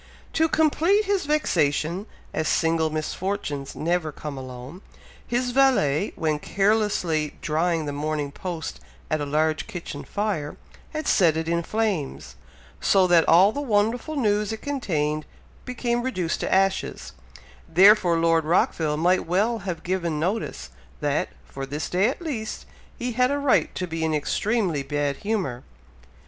To complete his vexation, as "single misfortunes never come alone," his valet, when carelessly drying the Morning Post at a large kitchen fire, had set it in flames, so that all the wonderful news it contained became reduced to ashes, therefore Lord Rockville might well have given notice, that, for this day at least, he had a right to be in extremely bad humour.